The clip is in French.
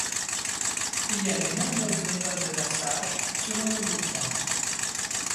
Il y a de nombreuses méthodes de laçage selon le besoin.